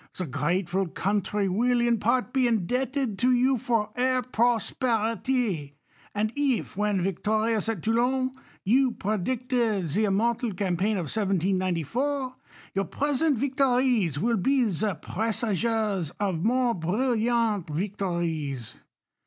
The grateful country AviU, in part, be indebted to you for her prosperity; and if, vvhen victorious ?.i Toulon, you predicted the immortal campaign of 1794, your present victories wili be the presages of moi e brilliant victories.